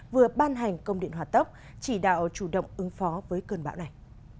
vừa ban hành công điện hòa tốc chỉ đạo chủ động ứng phó với cơn bão này